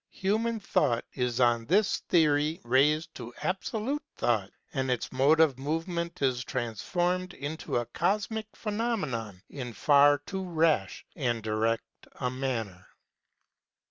Human thought is on this theory raised to Absolute Thought, and its mode of movement is transformed into a cosmic phenomenon in far too rash and direct a manner.